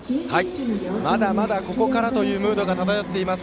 まだまだここからというムードが漂っています